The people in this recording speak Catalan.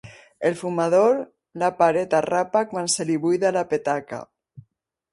El fumador, la paret arrapa quan se li buida la petaca.